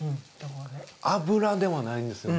脂でもないんですよね。